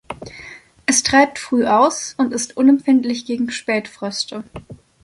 Es treibt früh aus und ist unempfindlich gegen Spätfröste.